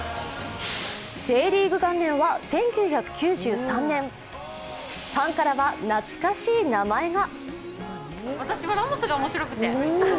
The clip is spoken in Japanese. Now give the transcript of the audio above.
Ｊリーグ元年は１９９３年、ファンからは懐かしい名前が。